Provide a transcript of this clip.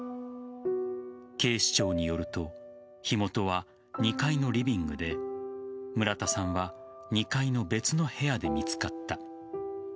警視庁によると火元は２階のリビングで村田さんは２階の別の部屋で見つかった。